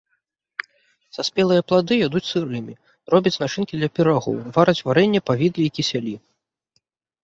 Саспелыя плады ядуць сырымі, робяць начынкі для пірагоў, вараць варэнне, павідла і кісялі.